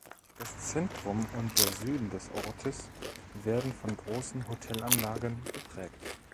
Das Zentrum und der Süden des Ortes werden von großen Hotelanlagen geprägt.